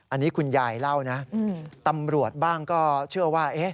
อันนี้คุณยายเล่านะตำรวจบ้างก็เชื่อว่า